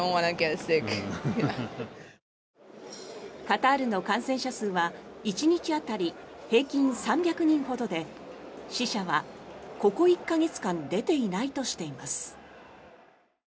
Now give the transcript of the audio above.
カタールの感染者数は１日当たり平均３００人ほどで死者はここ１か月間出ていないとしています。